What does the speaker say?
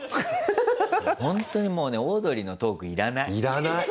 ほんとにもうねオードリーのトーク要らない。